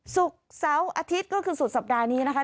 ศุกร์เสาร์อาทิตย์ก็คือสุดสัปดาห์นี้นะคะ